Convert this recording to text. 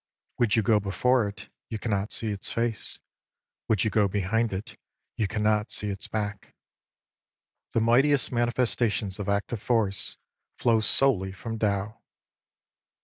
Would you go before it, you cannot see its face ; would you go behind it, you cannot see its back. The mightiest manifestations of active force flow solely from Tao.